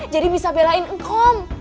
jadi bisa belain engkau